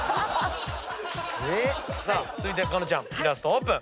続いて加納ちゃんイラストオープン。